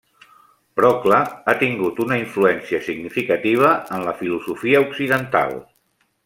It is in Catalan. Procle ha tingut una influència significativa en la filosofia occidental.